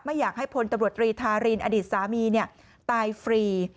ไม่อยากให้พลตำรวจตรีทารินอดีตสามีตายฟรี